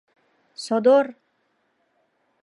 — Содор!